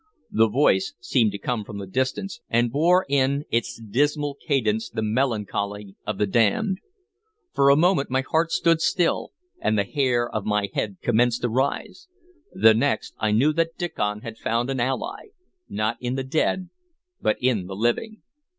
The voice seemed to come from the distance, and bore in its dismal cadence the melancholy of the damned. For a moment my heart stood still, and the hair of my head commenced to rise; the next, I knew that Diccon had found an ally, not in the dead, but in the living.